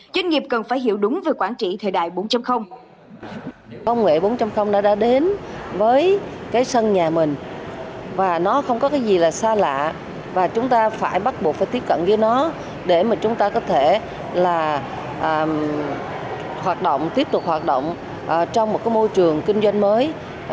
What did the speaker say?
doanh nghiệp cần phải hiểu đúng về quản trị thời đại bốn